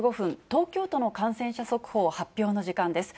東京都の感染者速報の発表の時間です。